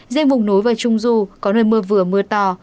dên vùng nối và trung du có nơi mưa vừa mưa to